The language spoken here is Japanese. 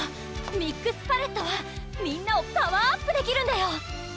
ミックスパレットはみんなをパワーアップできるんだよ